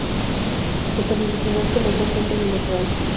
Su periodicidad comenzó siendo bimestral.